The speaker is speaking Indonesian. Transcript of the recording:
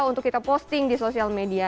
untuk kita posting di sosial media